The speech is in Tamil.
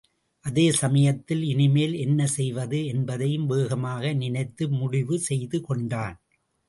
அதே சமயத்தில் இனிமேல் என்ன செய்வது என்பதையும் வேகமாக நினைத்து முடிவு செய்துகொண்டான.